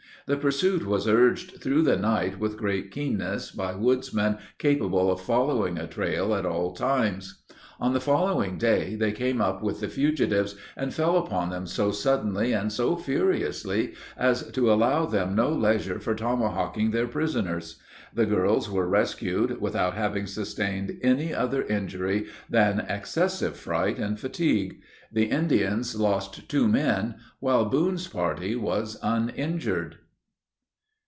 The pursuit was urged through the night with great keenness by woodsmen capable of following a trail at all times. On the following day they came up with the fugitives, and fell upon them so suddenly and so furiously as to allow them no leisure for tomahawking their prisoners. The girls were rescued, without having sustained any other injury than excessive fright and fatigue. The Indians lost two men, while Boone's party was uninjured.